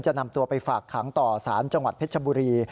นำตัวไปฝากขังต่อสารจังหวัดเพชรบุรี